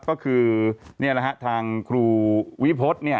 ก็คือทางครูวิพฤษนะครับ